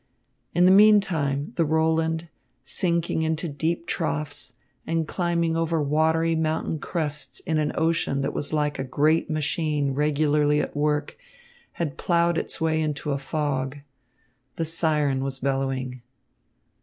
In the meantime the Roland, sinking into deep troughs and climbing over watery mountain crests in an ocean that was like a great machine regularly at work, had plowed its way into fog. The siren was bellowing.